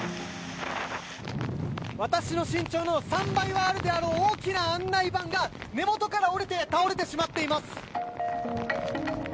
私の身長の３倍はあるであろう、大きな案内板が根元から折れて倒れてしまっています。